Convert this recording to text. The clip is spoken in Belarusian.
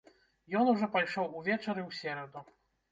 Ён ужо пайшоў увечары ў сераду.